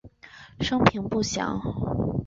生平不详。